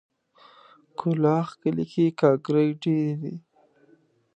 کلاخ کلي کې ګاګرې ډېرې دي.